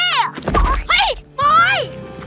เฮ้ยปลอย